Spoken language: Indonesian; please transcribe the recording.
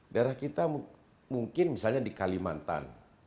daerah kita mungkin misalnya di kalimantan